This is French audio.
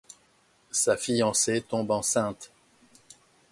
Sa fiancé tombe enceinte.